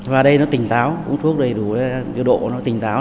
và đây nó tỉnh táo uống thuốc đầy đủ điều độ nó tỉnh táo